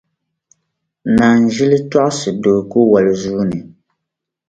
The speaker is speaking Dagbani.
Naanʒili tɔɣisi doo ku wali zuuni.